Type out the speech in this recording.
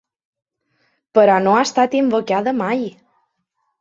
Però no ha estat invocada mai.